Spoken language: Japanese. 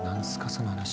その話。